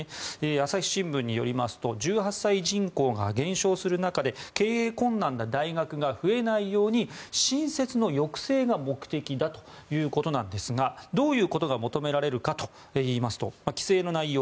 朝日新聞によりますと１８歳人口が減少する中で経営困難な大学が増えないように新設の抑制が目的だということなんですがどういうことが求められるかといいますと規制の内容